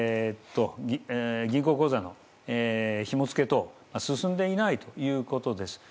銀行口座のひもづけ等進んでいないということです。